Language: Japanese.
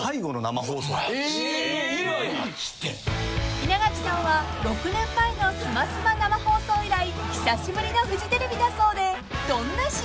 ［稲垣さんは６年前の『スマスマ』生放送以来久しぶりのフジテレビだそうでどんな心境なんでしょうか？］